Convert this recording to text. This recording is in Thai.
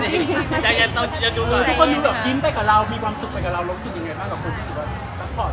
ทุกคนมีแบบยิ้มไปกับเรามีความสุขไปกับเราแล้วสิ่งยังไงบ้างบางครับคุณ